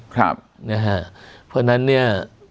เพราะฉะนั้นเนี่ย